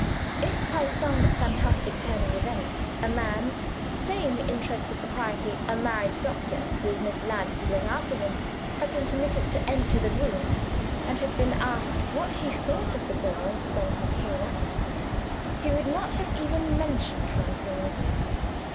If, by some fantastic turn of events, a man say in the interests of propriety, a married doctor, with Miss Ladd to look after him had been permitted to enter the room, and had been asked what he thought of the girls when he came out, he would not even have mentioned Francine.